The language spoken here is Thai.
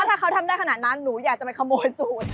ถ้าเขาทำได้ขนาดนั้นหนูอยากจะไปขโมยสูตร